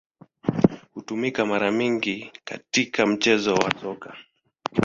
Hutumika mara nyingi katika michezo ya Soka.